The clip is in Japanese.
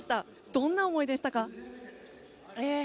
どんな思いでしたか？